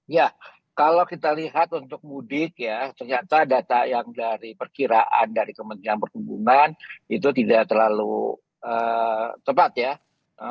ya kalau kita lihat untuk mudik ya ternyata data yang dari perkiraan dari kementerian perhubungan itu tidak terlalu tepat ya